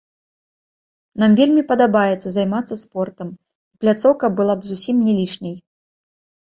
Нам вельмі падабаецца займацца спортам, і пляцоўка была б зусім не лішняй.